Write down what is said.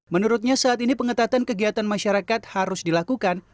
menurutnya saat ini pengetatan kegiatan masyarakat harus dilakukan